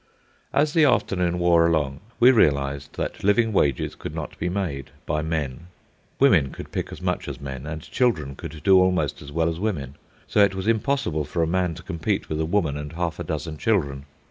As the afternoon wore along, we realised that living wages could not be made—by men. Women could pick as much as men, and children could do almost as well as women; so it was impossible for a man to compete with a woman and half a dozen children.